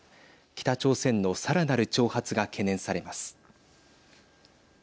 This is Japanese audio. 北朝鮮のさらなる挑発が懸念されます。